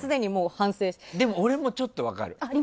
でも、俺もちょっと分かる。